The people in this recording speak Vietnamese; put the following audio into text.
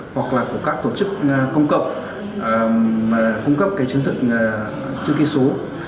hoặc là của các tổ chức công cộng cung cấp cái chứng thực chữ ký số